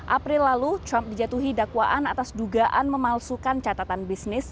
april lalu trump dijatuhi dakwaan atas dugaan memalsukan catatan bisnis